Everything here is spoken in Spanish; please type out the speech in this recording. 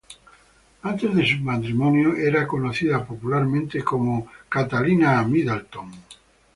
Antes de su matrimonio, era conocida popularmente como Kate Middleton.